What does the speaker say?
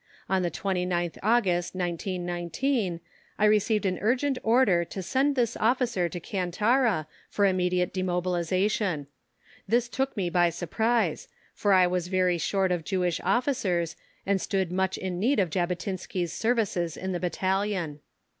On the 29th August, 1919, I received an urgent order to send this officer to Kantara for immediate demobilization. This took me by surprise, for I was very short of Jewish Officers, and stood much in need of Jabotinsky's services in the Battalion.